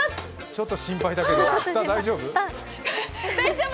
ちょっと心配だけど時間、大丈夫？